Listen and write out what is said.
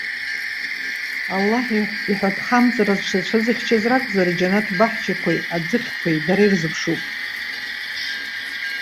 Аллаҳ иҳәатәхамҵара зҽацәызыхьчаз ракәзар, џьанаҭ баҳчақеи, аӡыхьқәеи дара ирзыԥшуп.